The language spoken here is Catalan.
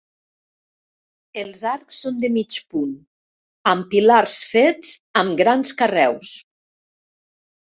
Els arcs són de mig punt, amb pilars fets amb grans carreus.